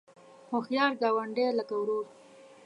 هوښیار ګاونډی لکه ورور